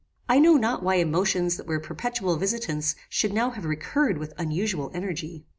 I know not why emotions that were perpetual visitants should now have recurred with unusual energy.